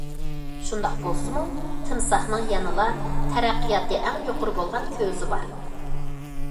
شۇنداق بولسىمۇ تىمساھنىڭ يەنىلا تەرەققىياتى ئەڭ يۇقىرى بولغان كۆزى بار.